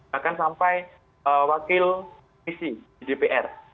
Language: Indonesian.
bahkan sampai wakil misi di dpr